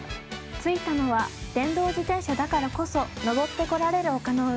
着いたのは電動自転車だからこそ来れる丘の上。